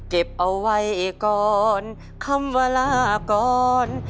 เก็บเอาไว้ก่อนคำว่าลาก่อน